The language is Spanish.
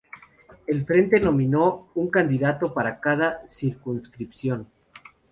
El Frente nominó un candidato para cada circunscripción.